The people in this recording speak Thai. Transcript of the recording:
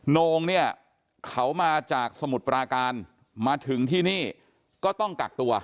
โนงเนี่ยเขามาจากสมุทรปราการมาถึงที่นี่ก็ต้องกักตัว